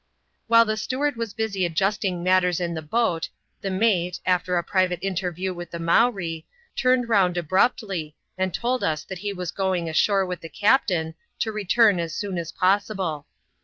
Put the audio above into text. While the steward was busy adjusting matters in the boat, the mate, after a private interview with the Mowree, turned round abruptly, and told us that he was going ashore with the captain, to return as soon as possible.